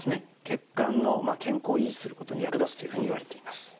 血管の健康を維持することに役立つというふうにいわれています。